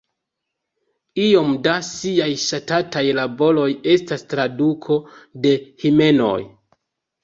Iom da siaj ŝatataj laboroj estas traduko de himnoj.